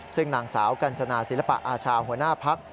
ซึ่งนางสาวกัญจนาศิลปะอาชาหัวหน้าพัก